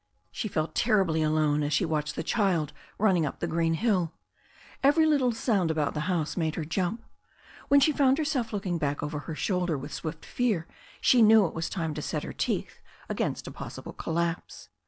She felt terribly alone as she watched the child running up the green bill. Every little sound about the house made THE STORY OF A NEW ZEALAND RIVER 20Z her jump. When she found herself looking back over her shoulder with swift fear she knew it was time to set her teeth against a possible collapse.